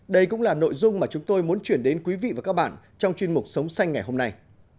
đây cũng là nội dung mà chúng tôi muốn chuyển đến quý vị và các bạn trong chuyên mục sống xanh ngày hôm nay